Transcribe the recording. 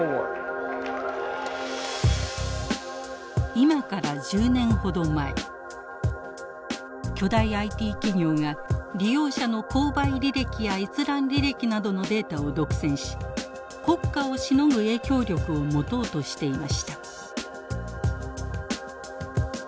今から１０年ほど前巨大ＩＴ企業が利用者の購買履歴や閲覧履歴などのデータを独占し国家をしのぐ影響力を持とうとしていました。